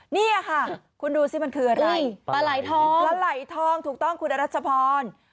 นี่ค่ะคุณดูสิมันคืออะไรปลาไหลทองปลาไหลทองถูกต้องคุณอรัชพร